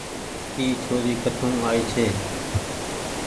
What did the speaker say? اي ڇوري ڪٺو آئي ڇي۔